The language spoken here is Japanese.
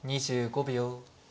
２５秒。